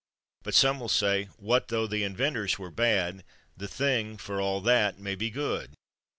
But some will say, What tho the inventors were bad, the thing for all that may be good?